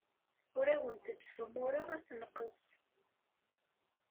Ur awent-d-ssumureɣ assenqes.